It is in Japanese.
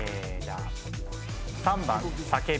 ３番叫び。